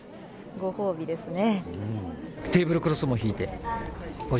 ご褒美ですね。